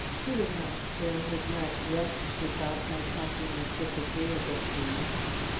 She would not spoil his night's rest, she thought, by talking of disagreeable things.